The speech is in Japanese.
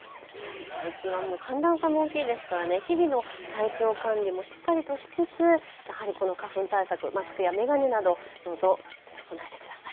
最近は寒暖差も大きいですから、日々の体調管理もしっかりとしつつやはりこの花粉対策、マスクや眼鏡などどうぞ備えてください。